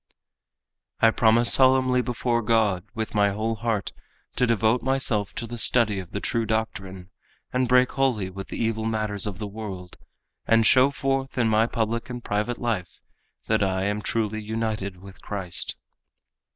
"I promise solemnly before God with my whole heart to devote myself to the study of the true doctrine and break wholly with the evil manners of the world and show forth in my public and private life that I am truly united with Christ.